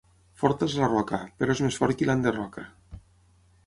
Forta és la roca, però és més fort qui l'enderroca.